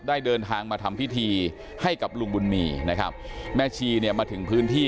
เดินทางมาทำพิธีให้กับลุงบุญมีนะครับแม่ชีเนี่ยมาถึงพื้นที่